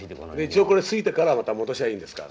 一応これ過ぎてからまた戻しゃいいんですか？